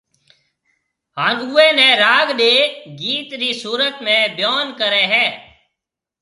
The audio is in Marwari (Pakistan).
هان اوئي نيَ راگ ڏي گيت رِي صورت ۾ بيون ڪريَ هيَ